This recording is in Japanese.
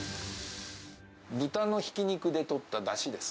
豚のひき肉でとっただしです。